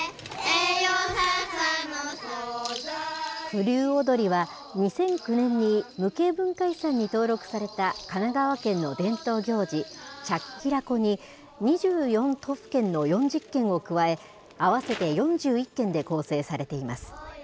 風流踊は２００９年に無形文化遺産に登録された神奈川県の伝統行事、チャッキラコに、２４都府県の４０件を加え、合わせて４１件で構成されています。